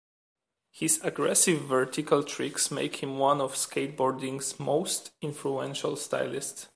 His aggressive vertical tricks make him one of skateboarding's most influential stylists.